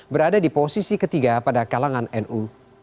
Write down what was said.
berada di posisi ketiga pada kalangan nu